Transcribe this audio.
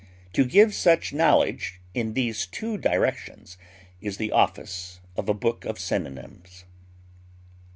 To give such knowledge in these two directions is the office of a book of synonyms.